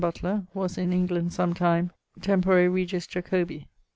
Butler was in England some time tempore regis Jacobi.